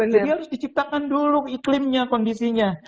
jadi harus diciptakan dulu iklimnya kondisinya